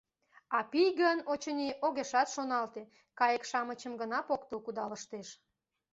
А пий гын, очыни, огешат шоналте, — кайык-шамычым гына поктыл кудалыштеш...